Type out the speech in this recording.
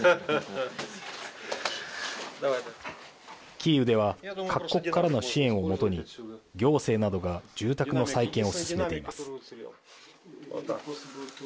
キーウでは各国からの支援をもとに行政などが住宅の再建を進めています。